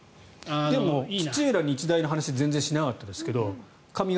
でも土浦日大の話全然しなかったですけど髪形